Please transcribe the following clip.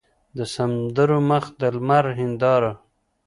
د سمندر مخ د لمر هینداره